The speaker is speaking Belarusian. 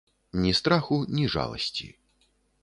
Ні страху, ні жаласці.